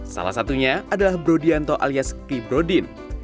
salah satunya adalah brodianto alias kli brodin